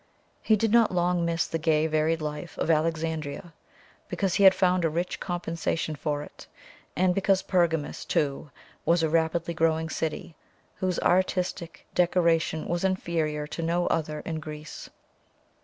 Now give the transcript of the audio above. He did not long miss the gay varied life of Alexandria, because he found a rich compensation for it, and because Pergamus, too, was a rapidly growing city, whose artistic decoration was inferior to no other in Greece.